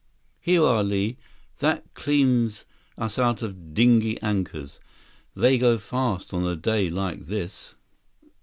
"Here you are, Li. That cleans us out of dinghy anchors. They go fast on a day like this."